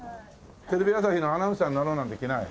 テレビ朝日のアナウンサーになろうなんて気ない？